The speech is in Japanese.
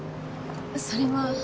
それは。